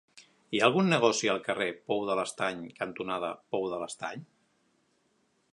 Hi ha algun negoci al carrer Pou de l'Estany cantonada Pou de l'Estany?